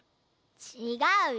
ちがうよ。